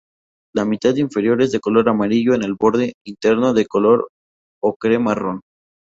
La mitad inferior es de color amarillo en el borde interno de color ocre-marrón.